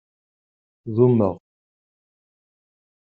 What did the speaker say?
Dummeɣ.